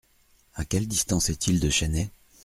À quelle distance est-il de Chennai ?